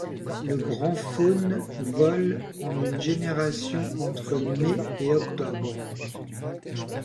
Le Grand faune vole en une génération entre mai et octobre.